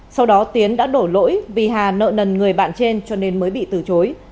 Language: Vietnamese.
sau đó tiến đã đổ lỗi vì hà nợ nần người bạn trên cho nên mới bị từ chối